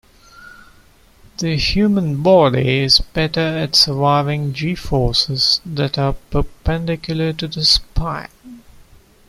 The human body is better at surviving g-forces that are perpendicular to the spine.